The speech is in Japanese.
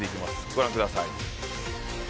ご覧ください。